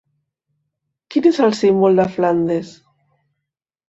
Quin és el símbol de Flandes?